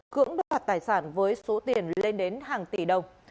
cưỡng đoạt tài sản với số tiền lên đến hàng tỷ đồng